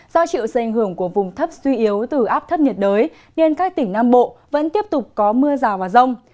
do chịu sự ảnh hưởng của vùng thấp suy yếu từ áp thấp nhiệt đới nên các tỉnh nam bộ vẫn tiếp tục có mưa rào và rông